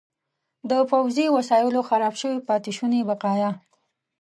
د پوځي وسایلو خراب شوي پاتې شوني بقایا.